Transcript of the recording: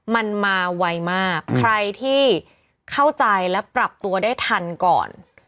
มันมาไวมากใครที่เข้าใจและปรับตัวได้ทันก่อน